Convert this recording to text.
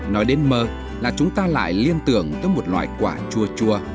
nói đến mơ là chúng ta lại liên tưởng tới một loại quả chua chua